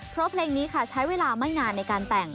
เพราะเพลงนี้ค่ะใช้เวลาไม่นานในการแต่ง